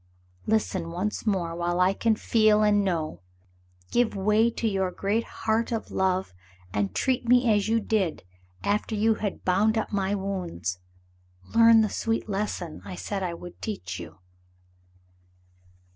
Listen, once more, while I can feel and know; give way to your great heart of love and treat me as you did after you had bound up my wounds. Learn the sweet lesson I said I would teach you."